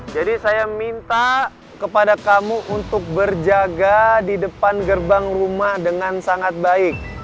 jadi saya minta kepada kamu untuk berjaga di depan gerbang rumah dengan sangat baik